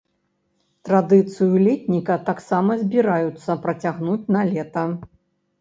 Традыцыю летніка таксама збіраюцца працягнуць налета.